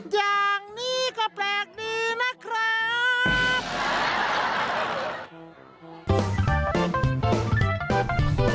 อย่างนี้ก็แปลกดีนะครับ